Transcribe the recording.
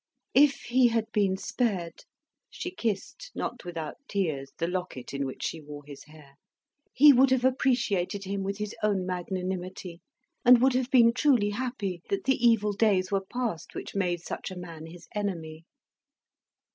If He had been spared," she kissed (not without tears) the locket in which she wore his hair, "he would have appreciated him with his own magnanimity, and would have been truly happy that the evil days were past which made such a man his enemy."